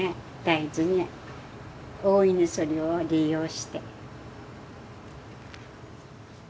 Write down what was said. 大事に大いにそれを利用して。